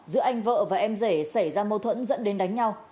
giữa anh vợ và em rể xảy ra mâu thuẫn dẫn đến đánh nhau